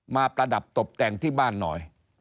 ประดับตบแต่งที่บ้านหน่อย